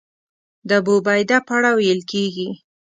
د ابوعبیده په اړه ویل کېږي.